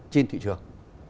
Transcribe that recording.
trên thị trường